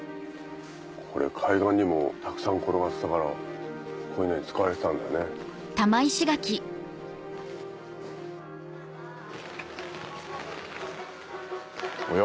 これ海岸にもたくさん転がってたからこういうのに使われてたんだよね。おや？